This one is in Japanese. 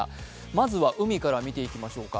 まずは海から見ていきましょうか。